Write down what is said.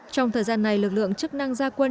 trong thời gian này lực lượng chức năng gia quân